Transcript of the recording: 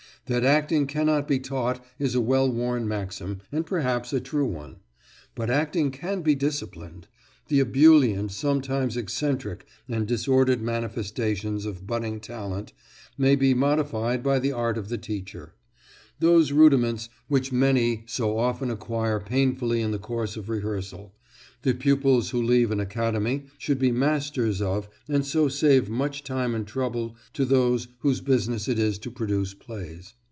That acting cannot be taught is a well worn maxim and perhaps a true one; but acting can be disciplined; the ebullient, sometimes eccentric and disordered manifestations of budding talent may be modified by the art of the teacher; those rudiments, which many so often acquire painfully in the course of rehearsal, the pupils who leave an academy should be masters of and so save much time and trouble to those whose business it is to produce plays.